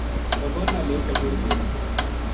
ٹبر نا لے کے ٹر گیو